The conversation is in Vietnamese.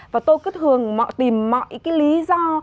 và tôi cứ thường tìm mọi cái lý do